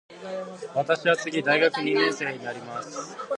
私は次大学二年生になります。